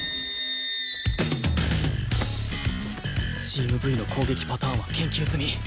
チーム Ｖ の攻撃パターンは研究済み！